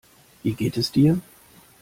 Wie geht es dir?